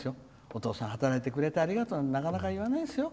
お父さん働いてくれてありがとうってなかなか言わないですよ。